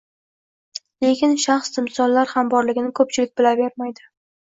Lekin shaxs-timsollar ham borligini koʻpchilik bilavermaydi